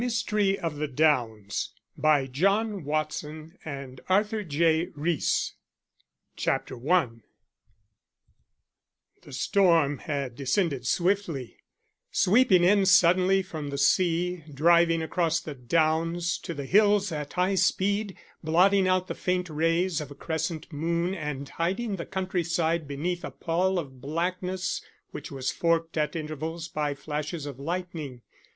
Little & Ives Company New York, U.S.A. THE MYSTERY OF THE DOWNS CHAPTER I THE storm had descended swiftly, sweeping in suddenly from the sea, driving across the downs to the hills at high speed, blotting out the faint rays of a crescent moon and hiding the country side beneath a pall of blackness, which was forked at intervals by flashes of lightning.